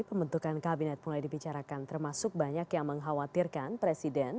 pembentukan kabinet mulai dibicarakan termasuk banyak yang mengkhawatirkan presiden